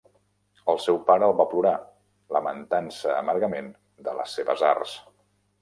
El seu pare el va plorar, lamentant-se amargament de les seves arts.